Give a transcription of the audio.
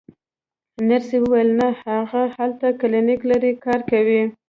نرسې وویل: نه، هغه هلته کلینیک لري، کار کوي.